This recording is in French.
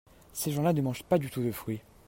Ces gens-là ne mangent pas du tout de fruits.